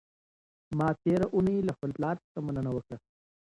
ما تېره اونۍ له خپل پلار څخه مننه وکړه.